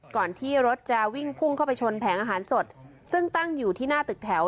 ก่อนที่รถจะวิ่งพุ่งเข้าไปชนแผงอาหารสดซึ่งตั้งอยู่ที่หน้าตึกแถว